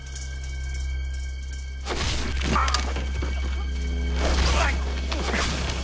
あっ！